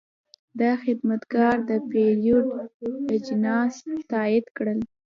دا خدمتګر د پیرود اجناس تایید کړل.